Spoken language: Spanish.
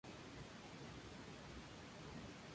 Aventuras emocionantes esperan a Lou y los campistas.